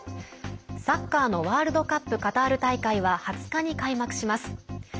サッカーのワールドカップカタール大会は２０日に開幕します。